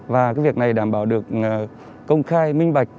và việc này đảm bảo được công khai minh vạch